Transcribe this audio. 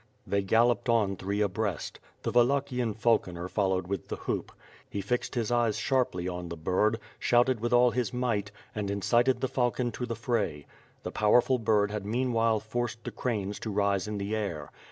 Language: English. ..." They galloped on three abreast. The Wallachian falconer followed with the hoop. He fixed his eyes sharply on the bird, shouted with all his might, and incited the falcon to the fray. The powerful bird had meanwhile forced the cranes to rise in the air.